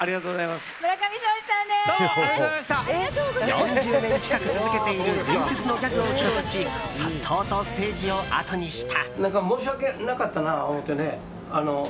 ４０年近く続けている伝説のギャグを披露し颯爽とステージをあとにした。